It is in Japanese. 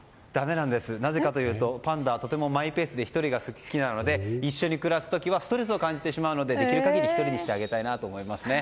なぜかというとパンダはとてもマイペースで１人が好きなので一緒に暮らす時はストレスを感じてしまうのでできる限り１人にしてあげたいなと思います。